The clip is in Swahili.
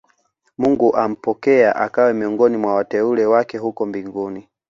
mungu ampokea akawe miongoni mwa wateule wake huko mbinguni